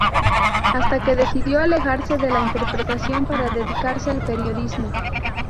Hasta que decidió alejarse de la interpretación para dedicarse al periodismo.